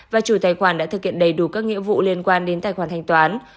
và chủ tài khoản đã thực hiện đầy đủ các nghĩa vụ liên quan đến tài khoản thanh toán